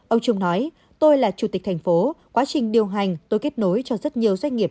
ông trung nói tôi là chủ tịch thành phố quá trình điều hành tôi kết nối cho rất nhiều doanh nghiệp